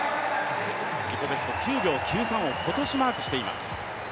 自己ベスト９秒９３を今年マークしています。